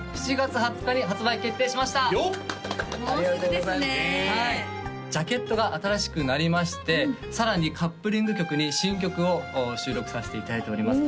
もうすぐですねジャケットが新しくなりましてさらにカップリング曲に新曲を収録させていただいております